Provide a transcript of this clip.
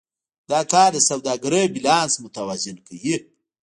دا کار د سوداګرۍ بیلانس متوازن کوي.